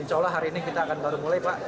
insya allah hari ini kita akan baru mulai pak